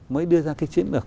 mới đưa ra cái chiến lược